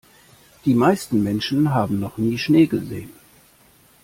Die meisten Menschen haben noch nie Schnee gesehen.